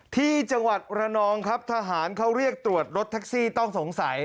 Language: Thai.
ที่จังหวัดระนองครับทหารเขาเรียกตรวจรถแท็กซี่ต้องสงสัย